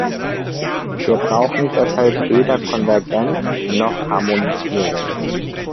Wir brauchen deshalb weder Konvergenz noch Harmonisierung.